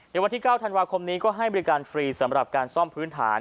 ในวันที่๙ธันวาคมนี้ก็ให้บริการฟรีสำหรับการซ่อมพื้นฐาน